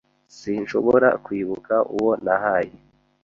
Sinshobora kwibuka uwo nahaye.